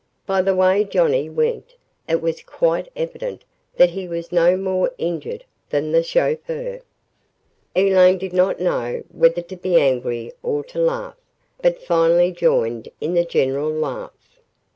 By the way Johnnie went, it was quite evident that he was no more injured than the chauffeur. Elaine did not know whether to be angry or to laugh, but finally joined in the general laugh.